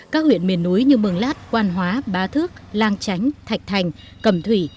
các huyện miền núi như mường lát quan hóa ba thước lang chánh thạch thành cầm thủy